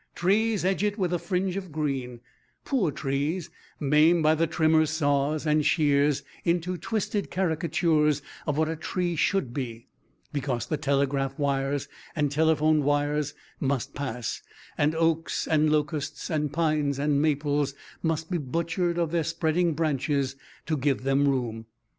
Trees edge it with a fringe of green; poor trees, maimed by the trimmers' saws and shears into twisted caricatures of what a tree should be, because the telegraph wires and telephone wires must pass, and oaks and locusts, pines and maples, must be butchered of their spreading branches to give them room.